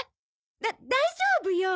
だ大丈夫よ。